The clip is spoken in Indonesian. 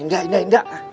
indah indah indah